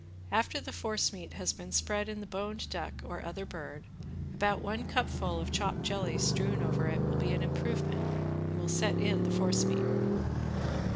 After the force meat has been spread in the boned duck, or other bird, about one cupful of chopped jelly strewn over it will be an improvement and will set in the force meat.